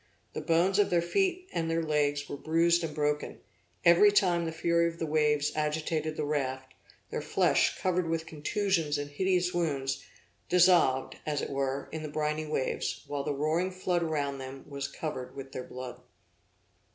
The bones of their feet and their legs were bruised and broken, every time the fury of the waves agitated the raft; their flesh covered with contusions and hideous wounds, dissolved, as it were, in the briny waves, while the roaring flood around them was colored with their blood.